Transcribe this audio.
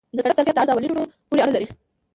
د سړک ظرفیت د عرض او لینونو پورې اړه لري